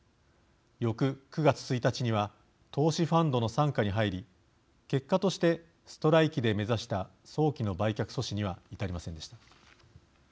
翌９月１日には投資ファンドの傘下に入り結果としてストライキで目指した早期の売却阻止には至りませんでした。